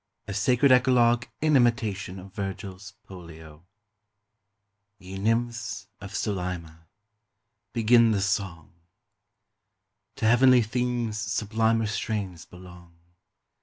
A SACRED ECLOGUE, IN IMITATION OF VIRGIL'S POLLIO. Ye nymphs of Solyma! begin the song: To heavenly themes sublimer strains belong.